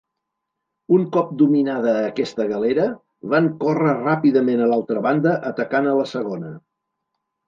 Un cop dominada aquesta galera, van córrer ràpidament a l'altra banda, atacant a la segona.